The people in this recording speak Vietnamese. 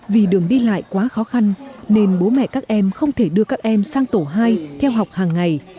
vì đường đi lại quá khó khăn nên bố mẹ các em không thể đưa các em sang tổ hai theo học hàng ngày